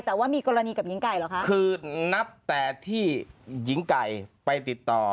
แต่ว่ามีกรณีกับหญิงไก่เหรอคะคือนับแต่ที่หญิงไก่ไปติดต่อ